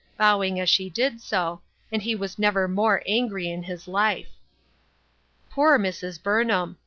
87 bowins: as she did so, and he was never more angry in his life. Poor Mrs. Burnham